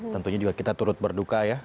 tentunya juga kita turut berduka ya